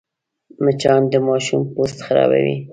مچان د ماشوم پوست خرابوي